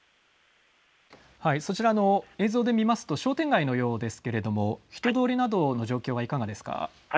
そちらの映像で見ますと商店街のようですけれども人通りなどの状況はいかがですか。